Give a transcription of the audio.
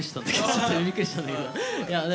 ちょっとびっくりしたんだけど。